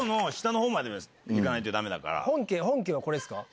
本家はこれっすか？